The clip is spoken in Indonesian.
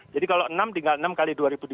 jadi kalau enam tinggal enam kali dua tiga ratus